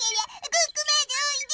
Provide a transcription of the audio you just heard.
ここまでおいで！